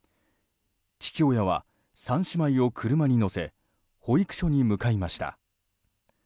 父親は、３姉妹を車に乗せ保育所に向かいました。